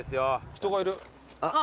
人がいる。